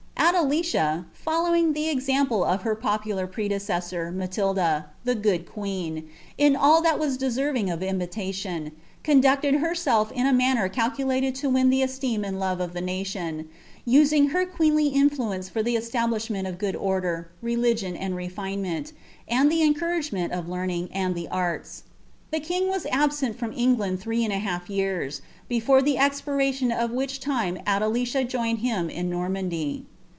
Adelicia, following the example of her popular predereaaor HatUk " the good queen," in all thai was deserving of imitation, conducted hn •elf in a manner calculated to win the esteem and love of the nation: using her queenly infiuence for the establishment of gooil order, reli gion, and refinement, and the encouragement of learning and tlie am. The king was absent from England three yean and a half, l>cfore iIm expiration of which time Adelicia joined him in Norman<ly.